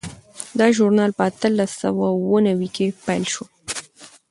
دا ژورنال په اتلس سوه اووه نوي کې پیل شو.